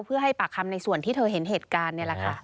เพื่อให้ปากคำในส่วนที่เธอเห็นเหตุการณ์นี่แหละค่ะ